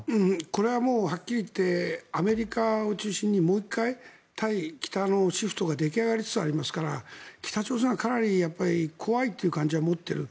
これはもうはっきり言ってアメリカを中心にもう１回、対北のシフトが出来上がりつつありますから北朝鮮はかなり怖いという感じは持っている。